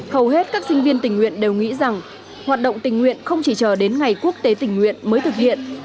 hầu hết các sinh viên tình nguyện đều nghĩ rằng hoạt động tình nguyện không chỉ chờ đến ngày quốc tế tình nguyện mới thực hiện